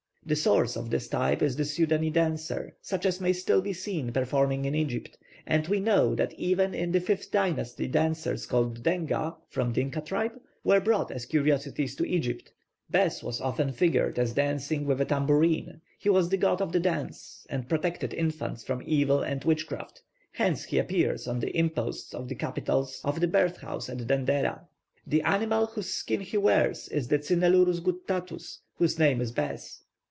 The source of this type is the Sudany dancer, such as may still be seen performing in Egypt, and we know that even in the fifth dynasty dancers called Denga (=Dinka tribe?) were brought as curiosities to Egypt. Bēs was often figured as dancing with a tambourine; he was the god of the dance, and protected infants from evil and witchcraft; hence he appears on the imposts of the capitals of the birth house at Dendereh. The animal whose skin he wears is the cynaelurus guttatus, whose name is bes.